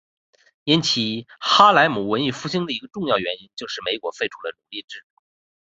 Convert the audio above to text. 引起哈莱姆文艺复兴的一个重要原因就是美国废除了奴隶制。